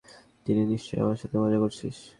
তোরা নিশ্চয়ই আমার সাথে মজা করছিস।